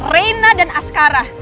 reina dan askara